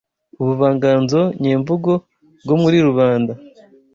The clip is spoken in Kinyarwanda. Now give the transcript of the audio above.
ubuvanganzo nyemvugo bwo muri rubanda